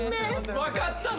分かったぞ！